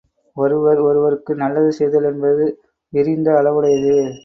ஒருவர், ஒருவருக்கு நல்லது செய்தல் என்பது விரிந்த அளவுடையது.